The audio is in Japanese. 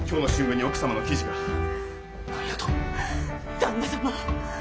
旦那様！